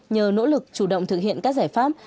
nhờ nỗ lực chủ động thực hiện các giải pháp